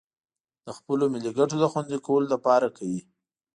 د خپلو ملي گټو د خوندي کولو لپاره کوي